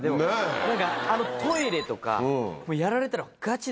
何かあのトイレとかやられたら。